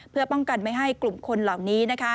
เพื่อป้องกันไม่ให้กลุ่มคนเหล่านี้